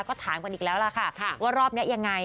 ก็ถามกันอีกแล้วล่ะค่ะว่ารอบนี้ยังไง